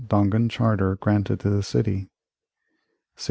Dongan Charter granted to the city 1688.